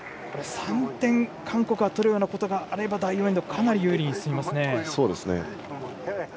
３点、韓国が取るようなことがあれば第４エンドはかなり優位に進みます。